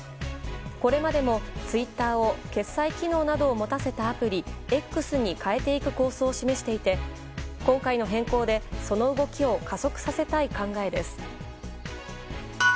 これまでのツイッターを決済機能などを持たせたアプリＸに変えていく構想を示していて今回の変更で、その動きを加速させたい考えです。